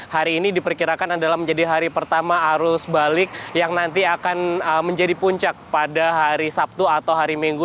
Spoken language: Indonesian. hari ini diperkirakan adalah menjadi hari pertama arus balik yang nanti akan menjadi puncak pada hari sabtu atau hari minggu